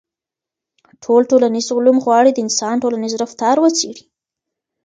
ټول ټولنيز علوم غواړي د انسان ټولنيز رفتار وڅېړي.